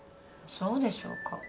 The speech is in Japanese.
そうでしょうか？